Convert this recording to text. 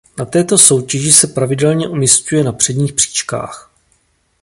Na této soutěži se pravidelně umisťuje na předních příčkách.